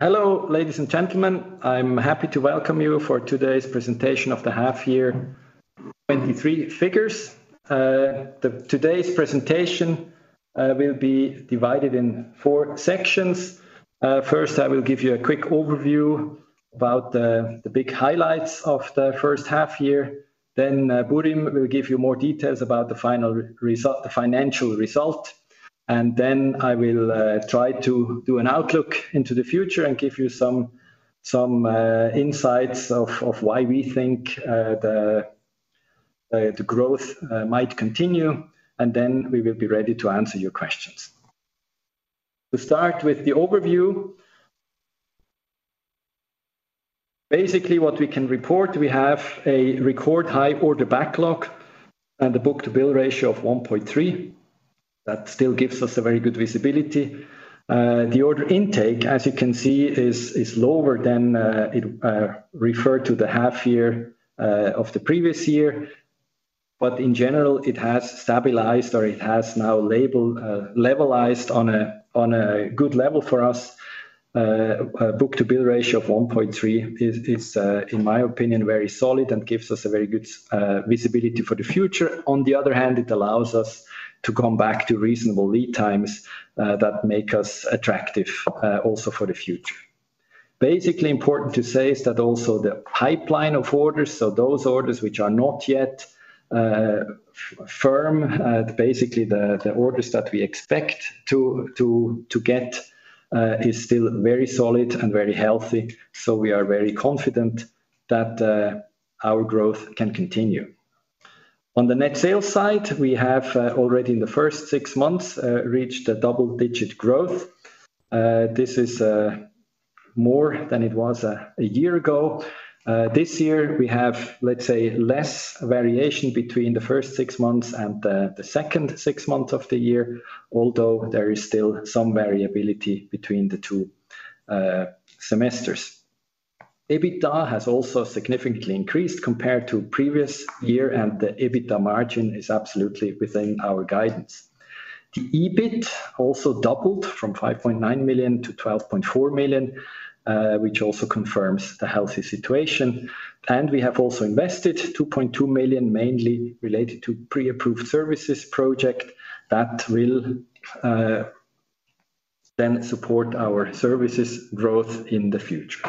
Hello, ladies and gentlemen. I'm happy to welcome you for today's presentation of the half year 2023 figures. Today's presentation will be divided in four sections. First, I will give you a quick overview about the big highlights of the first half year. Then, Burim will give you more details about the final result, the financial result. Then I will try to do an outlook into the future and give you some insights of why we think the growth might continue, and then we will be ready to answer your questions. To start with the overview, basically, what we can report, we have a record high order backlog and a book-to-bill ratio of 1.3. That still gives us a very good visibility. The order intake, as you can see, is, is lower than it referred to the half year of the previous year. In general, it has stabilized, or it has now labeled, levelized on a good level for us. A book-to-bill ratio of 1.3 is, is, in my opinion, very solid and gives us a very good visibility for the future. On the other hand, it allows us to come back to reasonable lead times that make us attractive also for the future. Basically, important to say is that also the pipeline of orders, so those orders which are not yet firm, basically the, the orders that we expect to, to, to get, is still very solid and very healthy. We are very confident that our growth can continue. On the net sales side, we have already in the first six months reached a double-digit growth. This is more than it was a year ago. This year, we have, let's say, less variation between the first six months and the second six months of the year, although there is still some variability between the two semesters. EBITDA has also significantly increased compared to previous year. The EBITDA margin is absolutely within our guidance. The EBIT also doubled from 5.9 million-12.4 million, which also confirms the healthy situation. We have also invested 2.2 million, mainly related to pre-approved services project that will then support our services growth in the future.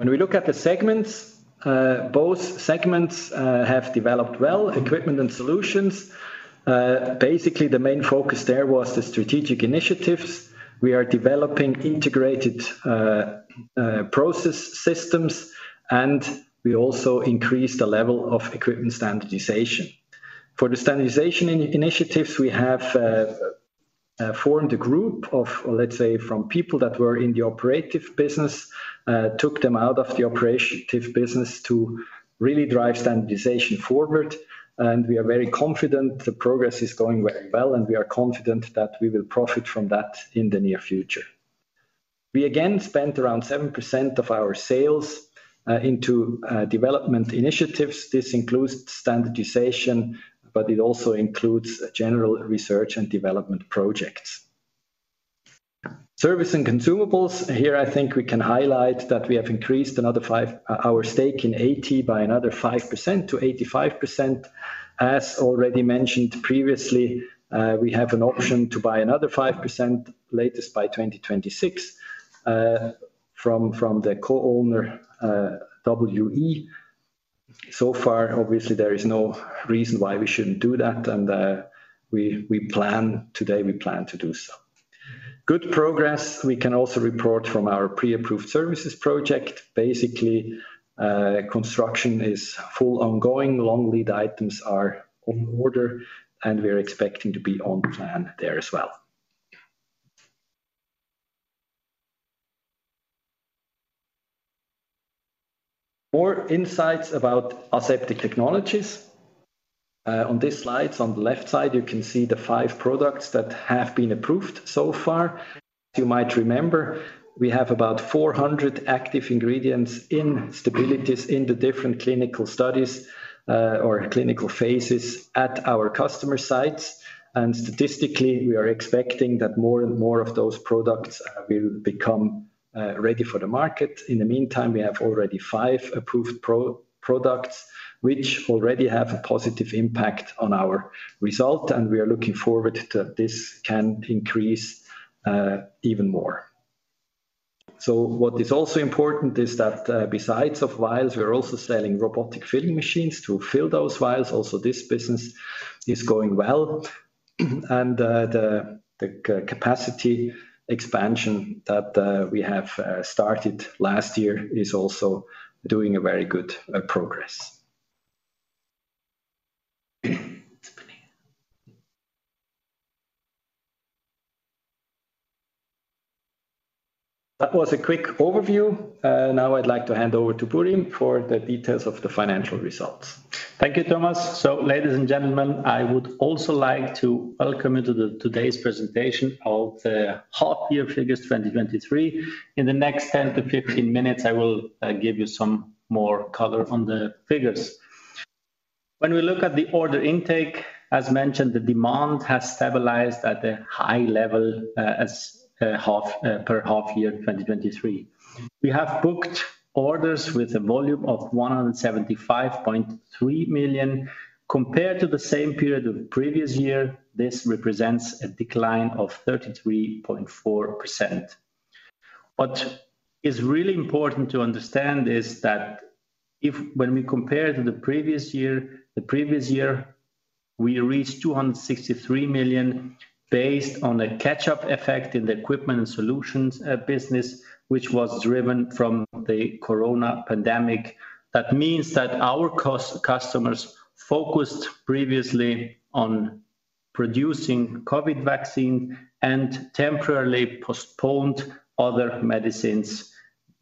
When we look at the segments, both segments have developed well, Equipment and Solutions. Basically, the main focus there was the strategic initiatives. We are developing integrated process systems, and we also increased the level of equipment standardization. For the standardization initiatives, we have formed a group of, let's say, from people that were in the operative business, took them out of the operative business to really drive standardization forward, and we are very confident the progress is going very well, and we are confident that we will profit from that in the near future. We again spent around 7% of our sales into development initiatives. This includes standardization, but it also includes general research and development projects. Services and Consumables. Here, I think we can highlight that we have increased our stake in AT by another 5%-85%. As already mentioned previously, we have an option to buy another 5%, latest by 2026, from, from the co-owner, WE. So far, obviously, there is no reason why we shouldn't do that, and today, we plan to do so. Good progress, we can also report from our pre-approved services project. Basically, construction is full ongoing. Long lead items are on order, and we are expecting to be on plan there as well. More insights about Aseptic Technologies. On this slide, on the left side, you can see the five products that have been approved so far. You might remember, we have about 400 active ingredients in stabilities in the different clinical studies, or clinical phases at our customer sites. Statistically, we are expecting that more and more of those products will become ready for the market. In the meantime, we have already five approved products, which already have a positive impact on our result, and we are looking forward to that this can increase even more. What is also important is that, besides of vials, we are also selling robotic filling machines to fill those vials. This business is going well, and the capacity expansion that we have started last year is also doing a very good progress. That was a quick overview. Now I'd like to hand over to Burim for the details of the financial results. Thank you, Thomas. Ladies and gentlemen, I would also like to welcome you to today's presentation of the half year figures 2023. In the next 10minutes-15 minutes, I will give you some more color on the figures. When we look at the order intake, as mentioned, the demand has stabilized at a high level, as per half year 2023. We have booked orders with a volume of 175.3 million. Compared to the same period of the previous year, this represents a decline of 33.4%. What is really important to understand is that when we compare to the previous year, we reached 263 million based on the catch-up effect in the Equipment and Solutions business, which was driven from the Corona pandemic. That means that our customers focused previously on producing COVID vaccine and temporarily postponed other medicines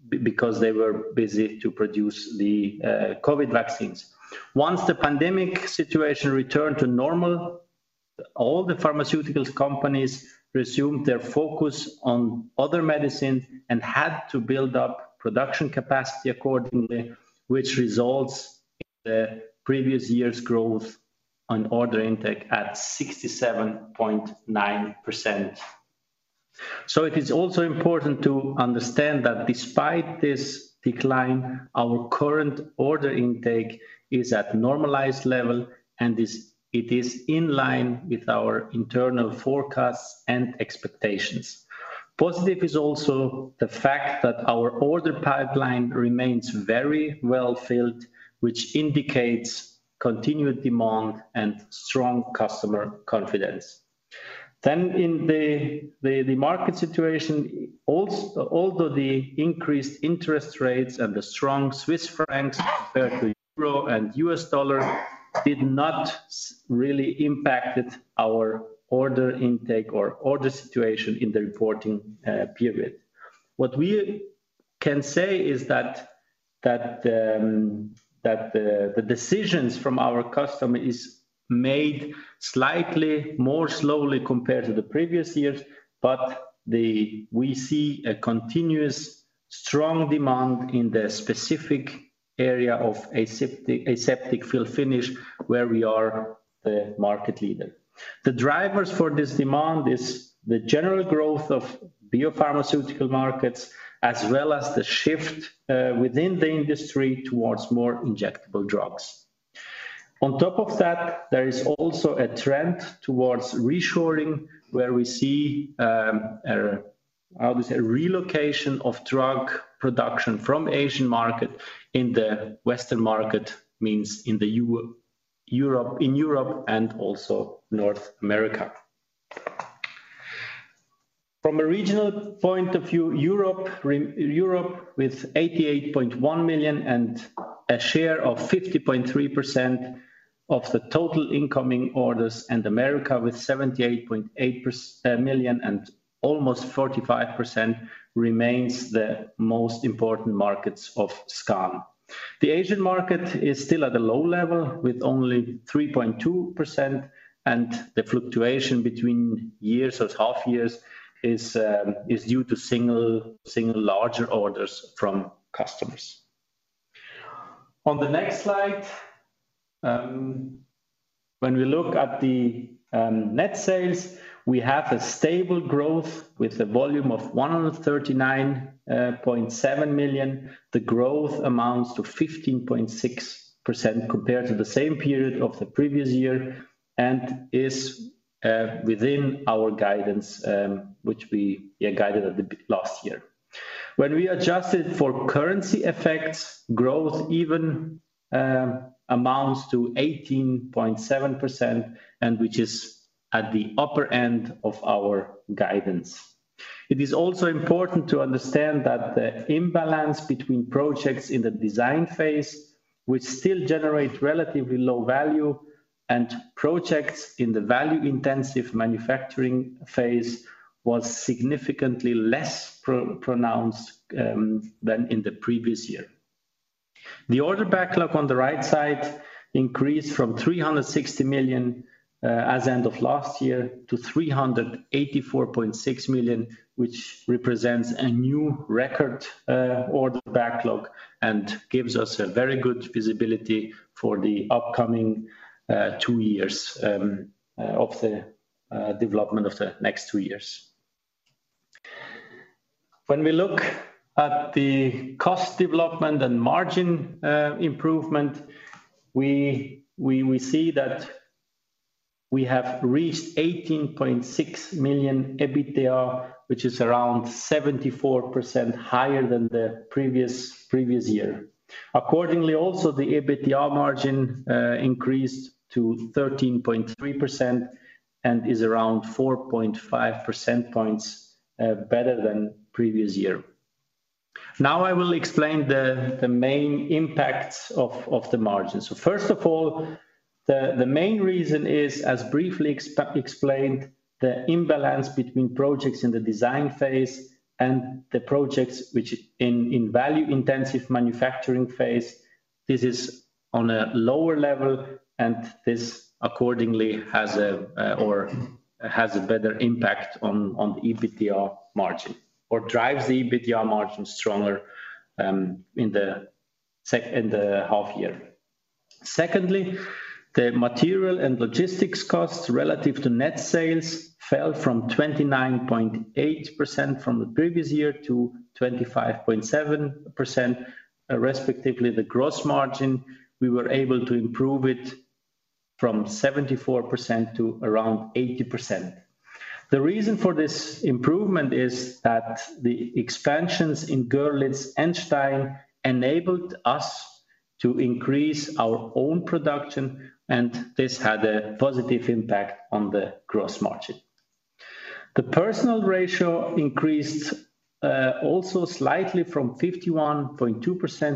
because they were busy to produce the COVID vaccines. Once the pandemic situation returned to normal, all the pharmaceuticals companies resumed their focus on other medicines and had to build up production capacity accordingly, which results in the previous year's growth on order intake at 67.9%. It is also important to understand that despite this decline, our current order intake is at normalized level, and it is in line with our internal forecasts and expectations. Positive is also the fact that our order pipeline remains very well filled, which indicates continued demand and strong customer confidence. In the, the, the market situation, although the increased interest rates and the strong Swiss francs compared to euro and US dollar, did not really impacted our order intake or order situation in the reporting period. What we can say is that, that, that the, the decisions from our customer is made slightly more slowly compared to the previous years, but we see a continuous strong demand in the specific area of aseptic fill finish, where we are the market leader. The drivers for this demand is the general growth of biopharmaceutical markets, as well as the shift within the industry towards more injectable drugs. On top of that, there is also a trend towards reshoring, where we see, how to say, relocation of drug production from Asian market in the Western market, means in Europe, in Europe and also North America. From a regional point of view, Europe with 88.1 million and a share of 50.3% of the total incoming orders, and America with 78.8 million and almost 45%, remains the most important markets of SKAN. The Asian market is still at a low level, with only 3.2%, and the fluctuation between years or half years is due to single, single larger orders from customers. On the next slide, when we look at the net sales, we have a stable growth with a volume of 139.7 million. The growth amounts to 15.6% compared to the same period of the previous year, and is within our guidance, which we guided at the last year. When we adjusted for currency effects, growth even amounts to 18.7%, which is at the upper end of our guidance. It is also important to understand that the imbalance between projects in the design phase, which still generate relatively low value and projects in the value-intensive manufacturing phase, was significantly less pronounced than in the previous year. The order backlog on the right side increased from 360 million, as end of last year, to 384.6 million, which represents a new record order backlog and gives us a very good visibility for the upcoming two years, of the development of the next two years. When we look at the cost development and margin improvement, we see that we have reached 18.6 million EBITDA, which is around 74% higher than the previous year. Accordingly, also, the EBITDA margin increased to 13.3% and is around 4.5% points better than previous year. Now, I will explain the main impacts of the margins. First of all, the main reason is, as briefly explained, the imbalance between projects in the design phase and the projects which in, in value-intensive manufacturing phase, this is on a lower level, and this accordingly has a or has a better impact on the EBITDA margin, or drives the EBITDA margin stronger in the half year. Secondly, the material and logistics costs relative to net sales fell from 29.8% from the previous year to 25.7%, respectively, the gross margin, we were able to improve it from 74% to around 80%. The reason for this improvement is that the expansions in Görlitz and Stein enabled us to increase our own production, and this had a positive impact on the gross margin. The Personnel ratio increased also slightly from 51.2%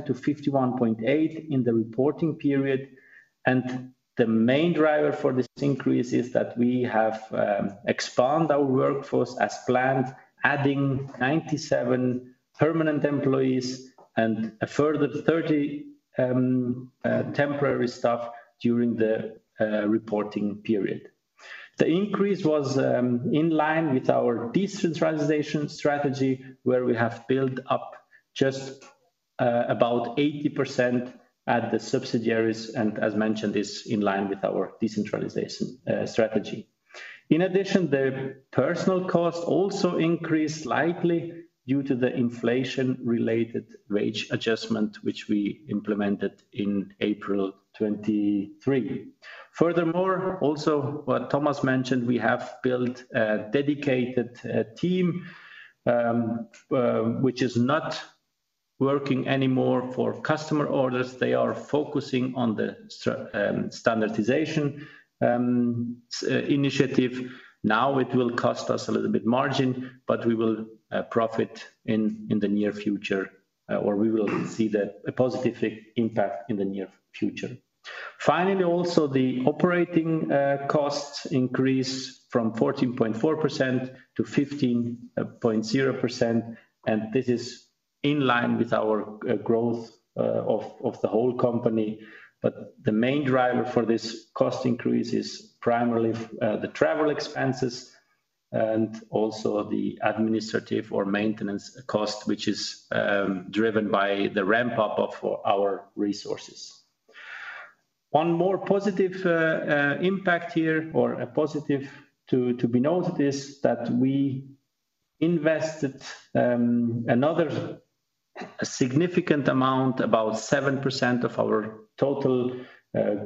to 51.8% in the reporting period, and the main driver for this increase is that we have expanded our workforce as planned, adding 97 permanent employees and a further 30 temporary staff during the reporting period. The increase was in line with our decentralization strategy, where we have built up just about 80% at the subsidiaries, and as mentioned, is in line with our decentralization strategy. In addition, the personal cost also increased slightly due to the inflation-related wage adjustment, which we implemented in April 2023. Also what Thomas mentioned, we have built a dedicated team which is not working anymore for customer orders. They are focusing on the standardization initiative. It will cost us a little bit margin, but we will profit in the near future, or we will see a positive impact in the near future. Finally, also, the operating costs increased from 14.4% to 15.0%. This is in line with our growth of the whole company. The main driver for this cost increase is primarily the travel expenses and also the administrative or maintenance cost, which is driven by the ramp-up of our resources. One more positive impact here, or a positive to be noted, is that we invested another significant amount, about 7% of our total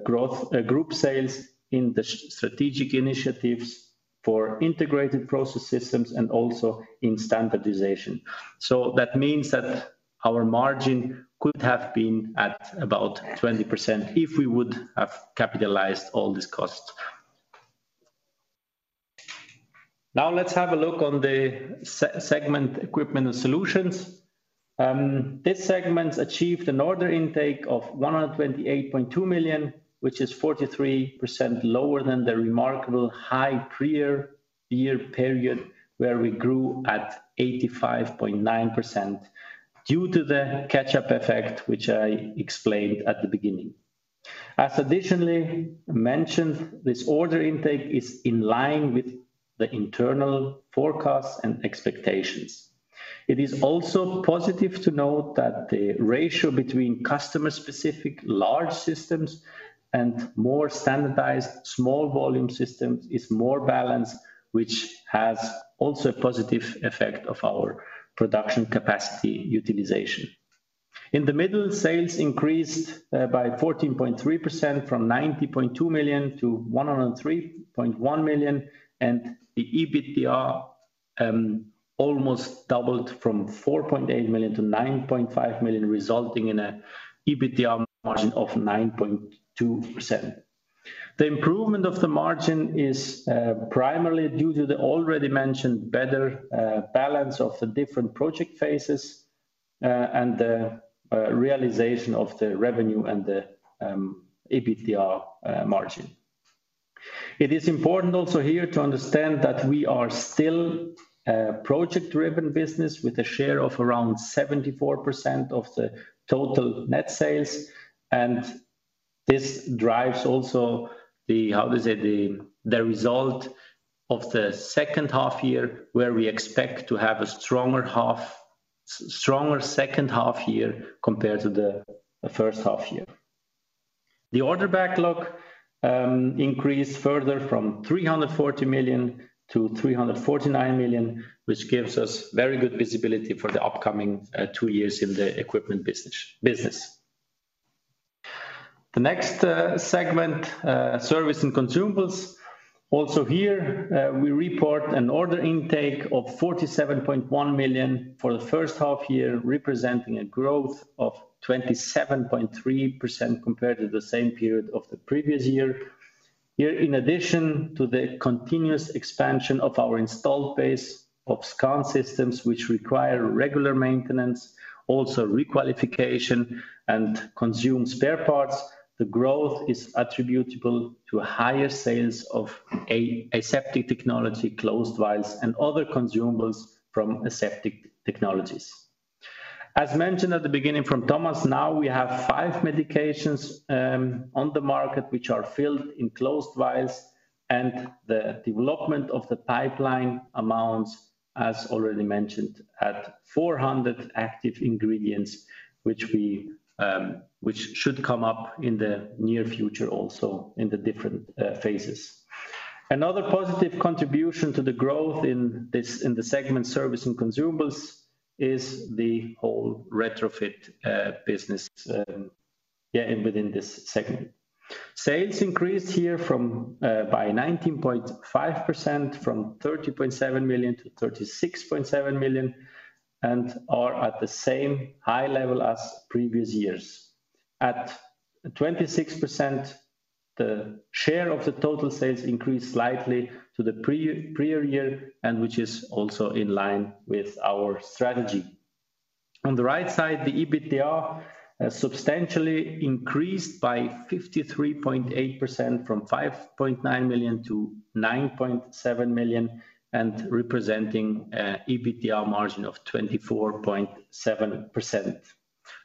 growth group sales in strategic initiatives for integrated process systems and also in standardization. That means that our margin could have been at about 20% if we would have capitalized all these costs. Let's have a look on the segment Equipment and Solutions. This segment achieved an order intake of 128.2 million, which is 43% lower than the remarkable high prior year period, where we grew at 85.9% due to the catch-up effect, which I explained at the beginning. As additionally mentioned, this order intake is in line with the internal forecasts and expectations. It is also positive to note that the ratio between customer-specific large systems and more standardized small volume systems is more balanced, which has also a positive effect of our production capacity utilization. In the middle, sales increased by 14.3% from 90.2 million to 103.1 million. The EBITDA almost doubled from 4.8 million to 9.5 million, resulting in a EBITDA margin of 9.2%. The improvement of the margin is primarily due to the already mentioned better balance of the different project phases and the realization of the revenue and the EBITDA margin. It is important also here to understand that we are still a project-driven business with a share of around 74% of the total net sales. This drives also the the result of the second half year, where we expect to have a stronger half stronger second half year compared to the first half year. The order backlog increased further from 340 million to 349 million, which gives us very good visibility for the upcoming two years in the equipment business. The next segment, Services and Consumables. Also here, we report an order intake of 47.1 million for the first half year, representing a growth of 27.3% compared to the same period of the previous year. Here, in addition to the continuous expansion of our installed base of SKAN systems, which require regular maintenance, also requalification and consume spare parts, the growth is attributable to higher sales of aseptic technology, closed vials, and other consumables from Aseptic Technologies. As mentioned at the beginning from Thomas, now we have 5 medications on the market, which are filled in closed vials. The development of the pipeline amounts, as already mentioned, at 400 active ingredients, which we, which should come up in the near future, also in the different phases. Another positive contribution to the growth in this, in the segment Services and Consumables, is the whole Retrofit business, and within this segment. Sales increased here from by 19.5%, from 30.7 million to 36.7 million, and are at the same high level as previous years. At 26%, the share of the total sales increased slightly to the pre- prior year, and which is also in line with our strategy. On the right side, the EBITDA substantially increased by 53.8%, from 5.9 million to 9.7 million, and representing EBITDA margin of 24.7%.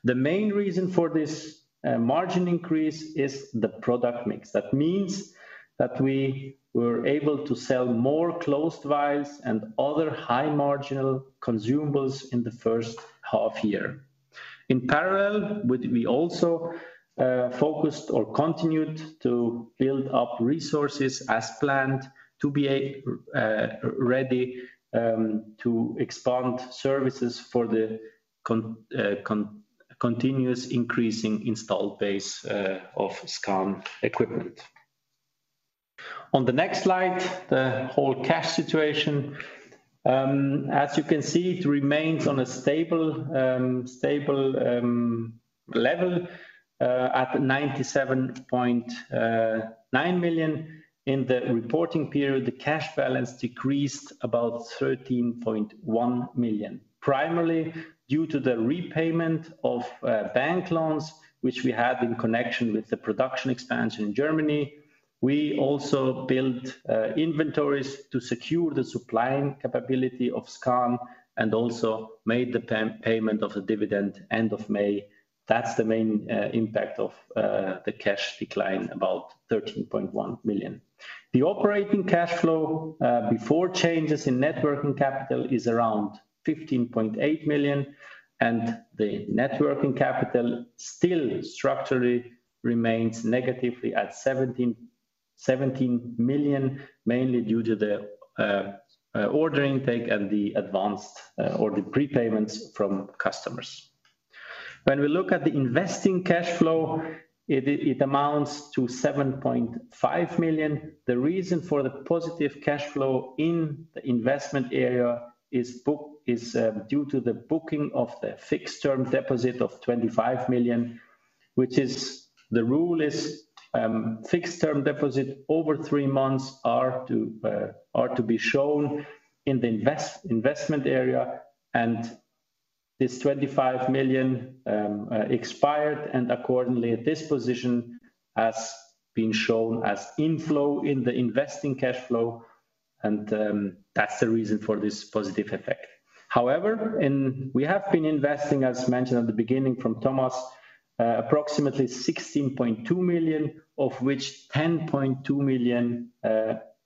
The main reason for this margin increase is the product mix. That means that we were able to sell more closed vials and other high-marginal consumables in the first half year. In parallel, we also focused or continued to build up resources as planned, to be ready to expand services for the continuous increasing Installed base of SKAN equipment. On the next slide, the whole cash situation. As you can see, it remains on a stable level at 97.9 million. In the reporting period, the cash balance decreased about 13.1 million, primarily due to the repayment of bank loans, which we had in connection with the production expansion in Germany. We also built inventories to secure the supplying capability of SKAN and also made the payment of the dividend end of May. That's the main impact of the cash decline, about 13.1 million. The operating cash flow before changes in net working capital, is around 15.8 million, and the net working capital still structurally remains negatively at 17 million, mainly due to the order intake and the advanced or the prepayments from customers. When we look at the investing cash flow, it amounts to 7.5 million. The reason for the positive cash flow in the investment area is due to the booking of the fixed-term deposit of 25 million, which is the rule is, fixed-term deposit over three months are to be shown in the investment area, and this 25 million expired, and accordingly, this position has been shown as inflow in the investing cash flow, that's the reason for this positive effect. However, we have been investing, as mentioned at the beginning from Thomas, approximately 16.2 million, of which 10.2 million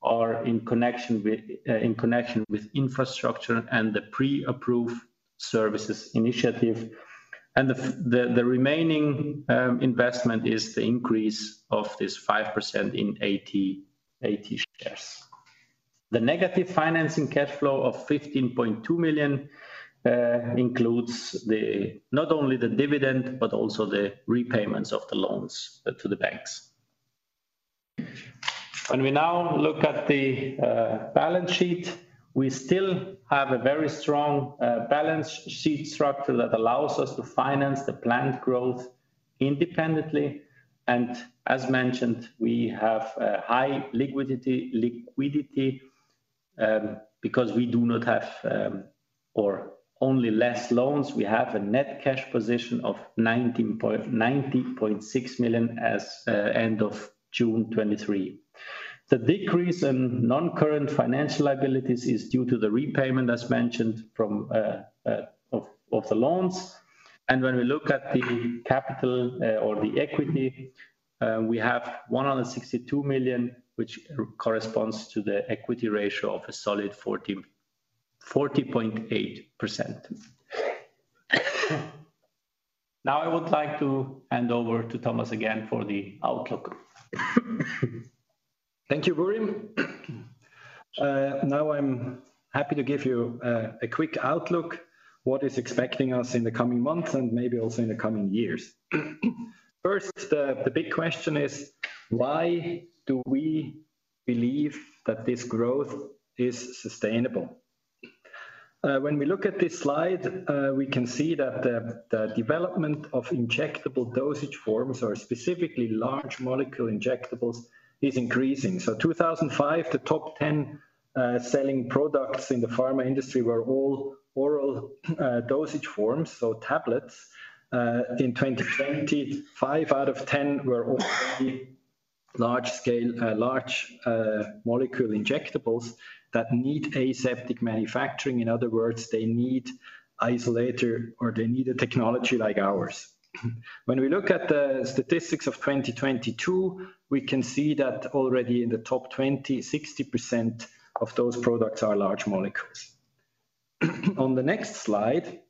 are in connection with infrastructure and the pre-approved services initiative. The remaining investment is the increase of this 5% in AT shares. The negative financing cash flow of 15.2 million includes not only the dividend, but also the repayments of the loans to the banks. When we now look at the balance sheet, we still have a very strong balance sheet structure that allows us to finance the planned growth independently. As mentioned, we have high liquidity, liquidity, because we do not have or only less loans. We have a net cash position of 19.6 million as end of June 2023. The decrease in non-current financial liabilities is due to the repayment, as mentioned, from of the loans. When we look at the capital or the equity, we have 162 million, which corresponds to the equity ratio of a solid 40.8%. Now, I would like to hand over to Thomas again for the outlook. Thank you, Burim. Now I'm happy to give you a quick outlook, what is expecting us in the coming months and maybe also in the coming years. First, the big question is: Why do we believe that this growth is sustainable? When we look at this slide, we can see that the development of injectable dosage forms or specifically large molecule injectables is increasing. 2005, the top 10 selling products in the pharma industry were all oral dosage forms, so tablets. 2020, five out of 10 were already large molecule injectables that need aseptic manufacturing. Other words, they need isolator, or they need a technology like ours. When we look at the statistics of 2022, we can see that already in the top 20, 60% of those products are large molecules. On the next slide,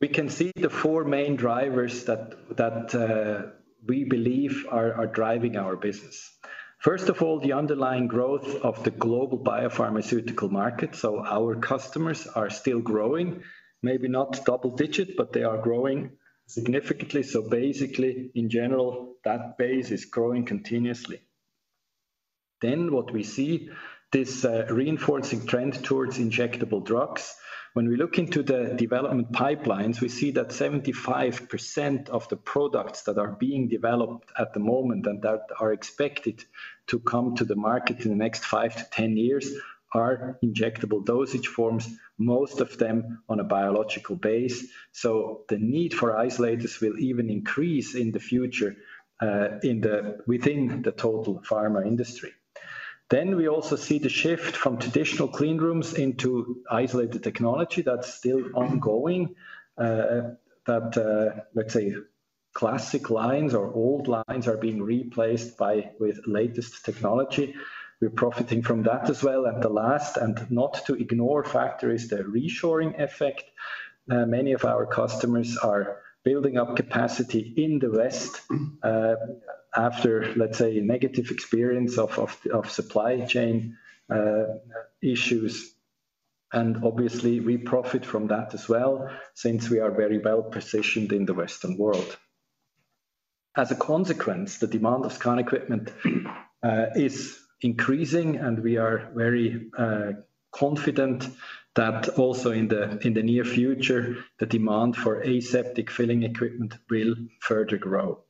we can see the four main drivers that we believe are driving our business. First of all, the underlying growth of the global biopharmaceutical market. Our customers are still growing, maybe not double digit, but they are growing significantly. Basically, in general, that base is growing continuously. What we see, this reinforcing trend towards injectable drugs. When we look into the development pipelines, we see that 75% of the products that are being developed at the moment, and that are expected to come to the market in the next 5-10 years, are injectable dosage forms, most of them on a biological base. The need for isolators will even increase in the future within the total pharma industry. We also see the shift from traditional clean rooms into isolated technology that's still ongoing. That, let's say, classic lines or old lines are being replaced by, with latest technology. We're profiting from that as well. The last, and not to ignore factor, is the reshoring effect. Many of our customers are building up capacity in the West after, let's say, a negative experience of, of, of supply chain issues. Obviously, we profit from that as well, since we are very well-positioned in the Western world. The demand of SKAN equipment is increasing, and we are very confident that also in the near future, the demand for aseptic filling equipment will further grow.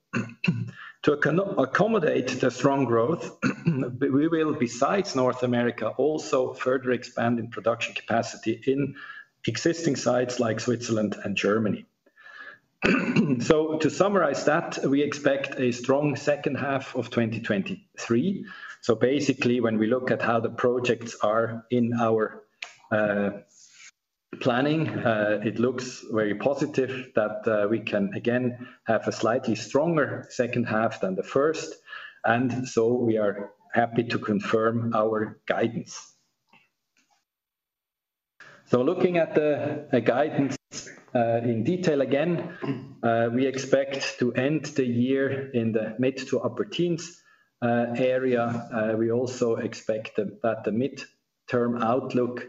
To accommodate the strong growth, we will, besides North America, also further expand in production capacity in existing sites like Switzerland and Germany. To summarize that, we expect a strong second half of 2023. Basically, when we look at how the projects are in our planning, it looks very positive that we can again have a slightly stronger second half than the first, and so we are happy to confirm our guidance. Looking at the guidance in detail, again, we expect to end the year in the mid to upper teens area. We also expect that the mid-term outlook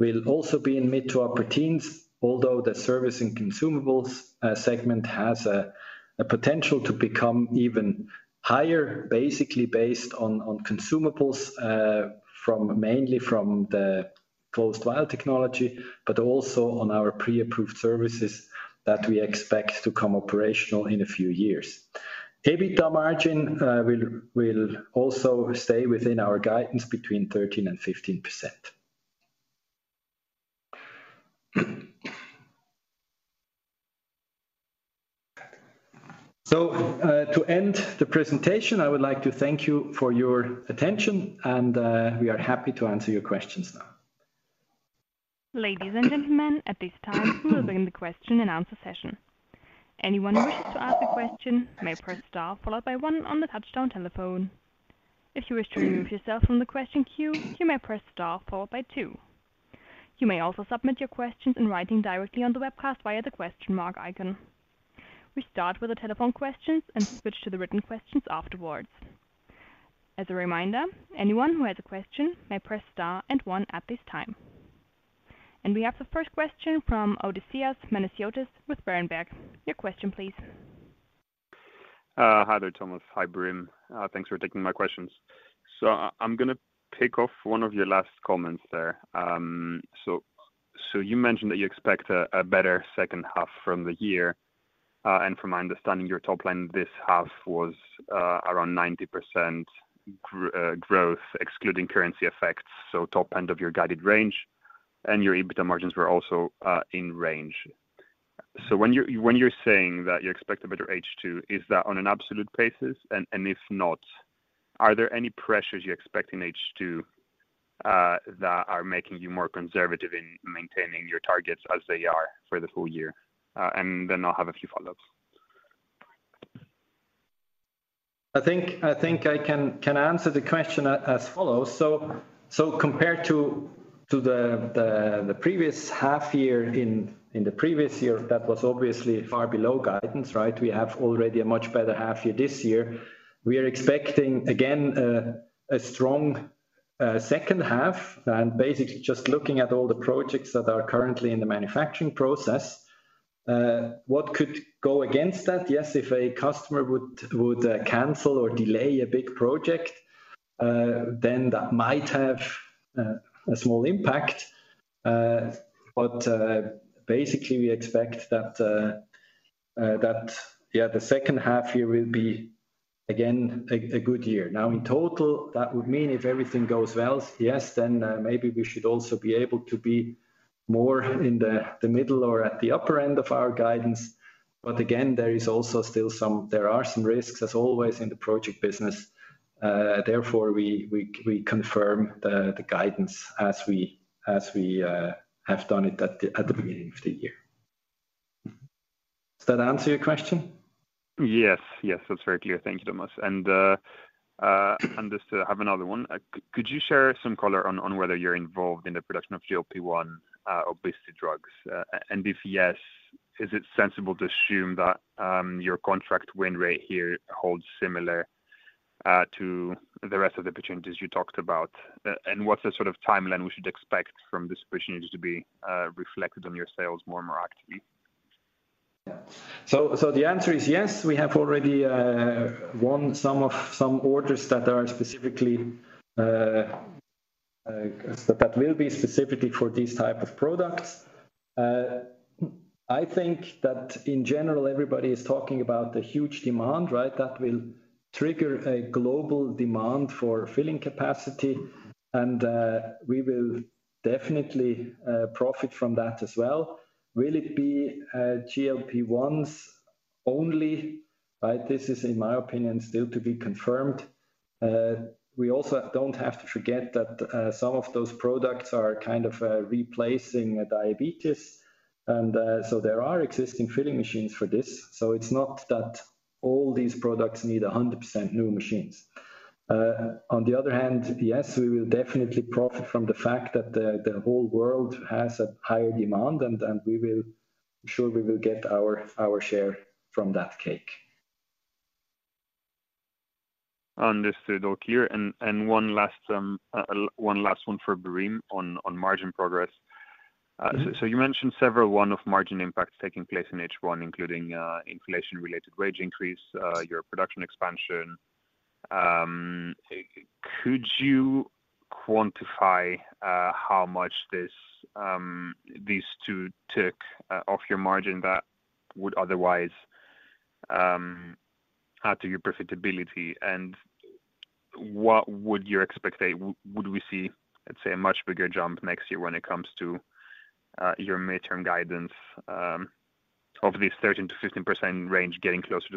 will also be in mid to upper teens, although the Services and Consumables segment has a potential to become even higher, basically based on consumables from mainly from the closed vial technology, but also on our pre-approved services that we expect to come operational in a few years. EBITDA margin will also stay within our guidance between 13% and 15%. To end the presentation, I would like to thank you for your attention, and we are happy to answer your questions now. Ladies and gentlemen, at this time, we will begin the question and answer session. Anyone who wishes to ask a question may press star, followed by one on the touchtone telephone. If you wish to remove yourself from the question queue, you may press star, followed by two. You may also submit your questions in writing directly on the webcast via the question mark icon. We start with the telephone questions and switch to the written questions afterwards. As a reminder, anyone who has a question may press star and one at this time. We have the first question from Odysseas Manesiotis with Berenberg. Your question, please. Hi there, Thomas. Hi, Burim. Thanks for taking my questions. I, I'm gonna pick off one of your last comments there. You mentioned that you expect a better second half from the year. From my understanding, your top line this half was around 90% growth, excluding currency effects, so top end of your guided range, and your EBITDA margins were also in range. When you're, when you're saying that you expect a better H2, is that on an absolute basis? If not, are there any pressures you expect in H2 that are making you more conservative in maintaining your targets as they are for the full year? Then I'll have a few follow-ups. I think I can answer the question as follows. Compared to the previous half year in the previous year, that was obviously far below guidance, right? We have already a much better half year this year. We are expecting, again, a strong second half. Basically, just looking at all the projects that are currently in the manufacturing process, what could go against that? Yes, if a customer would cancel or delay a big project, then that might have a small impact. Basically, we expect that, that, yeah, the second half year will be, again, a good year. In total, that would mean if everything goes well, yes, then, maybe we should also be able to be more in the, the middle or at the upper end of our guidance. Again, there is also still there are some risks, as always, in the project business. Therefore, we, we, we confirm the, the guidance as we, as we, have done it at the, at the beginning of the year. Does that answer your question? Yes. Yes, that's very clear. Thank you, Thomas. Understood. I have another one. Could you share some color on whether you're involved in the production of GLP-1 obesity drugs? If yes, is it sensible to assume that your contract win rate here holds similar to the rest of the opportunities you talked about? What's the sort of timeline we should expect from this opportunity to be reflected on your sales more and more actively? Yeah. The answer is yes. We have already won some of some orders that are specifically that will be specifically for these type of products. I think that in general, everybody is talking about the huge demand, right? That will trigger a global demand for filling capacity, and we will definitely profit from that as well. Will it be GLP-1s only? This is, in my opinion, still to be confirmed. We also don't have to forget that some of those products are kind of replacing diabetes, and so there are existing filling machines for this. It's not that all these products need a 100% new machines. On the other hand, yes, we will definitely profit from the fact that the, the whole world has a higher demand, and, and we will-- I'm sure we will get our, our share from that cake. Understood. All clear. One last one for Burim on, on margin progress. Mm-hmm. So you mentioned several one of margin impacts taking place in H1, including inflation-related wage increase, your production expansion. Could you quantify how much this, these two took off your margin that would otherwise add to your profitability? What would you expect would we see, let's say, a much bigger jump next year when it comes to your midterm guidance of this 13%-15% range getting closer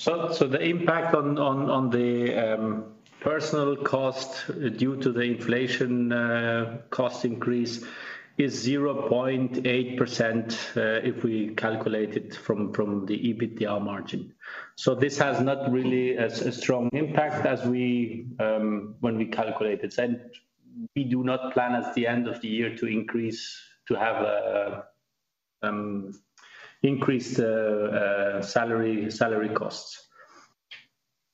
to the upper teens? The impact on the personal cost due to the inflation cost increase is 0.8% if we calculate it from the EBITDA margin. This has not really a strong impact as we when we calculate it. We do not plan, at the end of the year, to increase, to have a increased salary costs.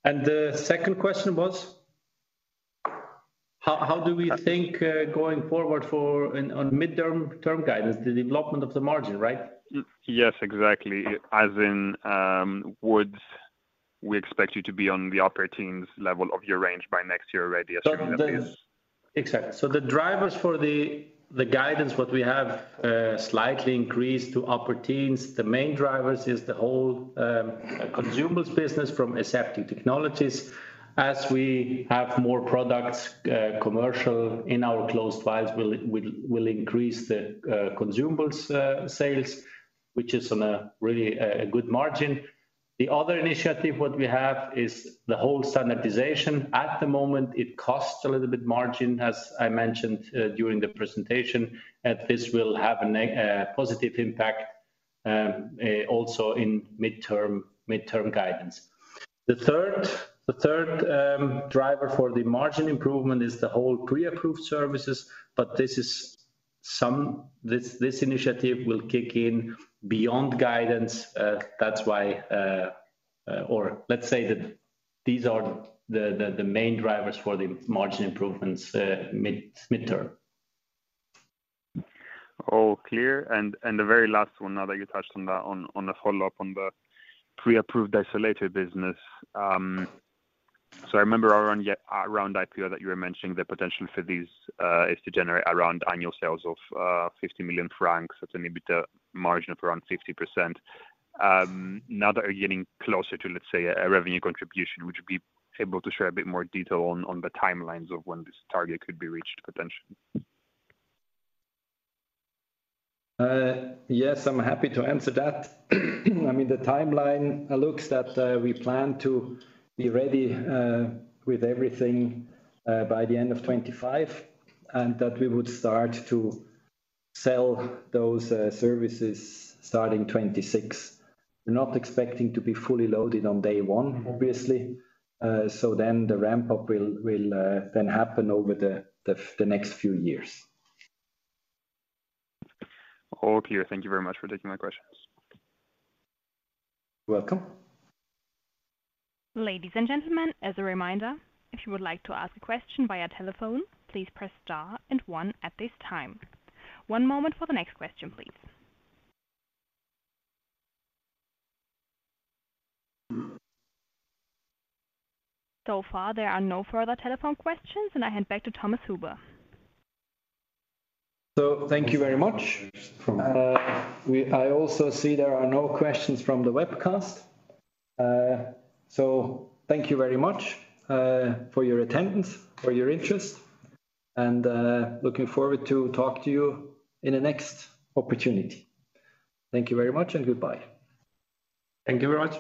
The second question was? How do we think going forward for midterm guidance, the development of the margin, right? Yes, exactly. As in, would we expect you to be on the upper teens level of your range by next year already, assuming that is? Exactly. The drivers for the, the guidance, what we have, slightly increased to upper teens. The main drivers is the whole consumables business from Aseptic Technologies. As we have more products, commercial in our AT-Closed Vial, we'll, we'll, we'll increase the consumables sales, which is on a really a good margin. The other initiative, what we have is the whole standardization. At the moment, it costs a little bit margin, as I mentioned, during the presentation, and this will have a positive impact also in midterm, midterm guidance. The third, the third driver for the margin improvement is the whole pre-approved services. This, this initiative will kick in beyond guidance. That's why, or let's say that these are the, the, the main drivers for the margin improvements, midterm. All clear. The very last one, now that you touched on that, on, on a follow-up on the pre-approved isolator business. I remember around IPO, that you were mentioning the potential for these, is to generate around annual sales of, 50 million francs at an EBITDA margin of around 60%. Now that you're getting closer to, let's say, a revenue contribution, would you be able to share a bit more detail on, on the timelines of when this target could be reached, potentially? Yes, I'm happy to answer that. I mean, the timeline looks that, we plan to be ready, with everything, by the end of 2025, and that we would start to sell those, services starting 2026. We're not expecting to be fully loaded on day one, obviously. Then the ramp-up will, will, then happen over the next few years. All clear. Thank you very much for taking my questions. You're welcome. Ladies and gentlemen, as a reminder, if you would like to ask a question via telephone, please press star and one at this time. One moment for the next question, please. So far, there are no further telephone questions. I hand back to Thomas Huber. Thank you very much. I also see there are no questions from the webcast. Thank you very much for your attendance, for your interest, and looking forward to talk to you in the next opportunity. Thank you very much, and goodbye. Thank you very much.